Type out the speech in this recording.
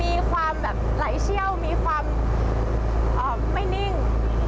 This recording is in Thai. มีความแบบไหลเชี่ยวมีความไม่นิ่ง